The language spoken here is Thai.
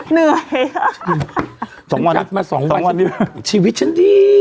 เหนื่อยหนึ่งเต้นสองวันนี้ถึงชีวิตฉันดี